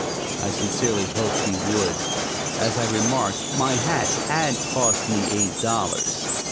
I sincerely hoped he would. As I remarked, my hat had cost me eight dollars.